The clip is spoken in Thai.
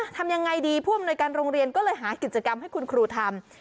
ทำยังไงดีผู้อำนวยการโรงเรียนก็เลยหากิจกรรมให้คุณครูทำ